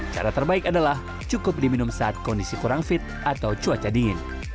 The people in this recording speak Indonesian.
cara terbaik adalah cukup diminum saat kondisi kurang fit atau cuaca dingin